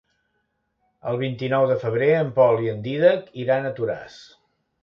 El vint-i-nou de febrer en Pol i en Dídac iran a Toràs.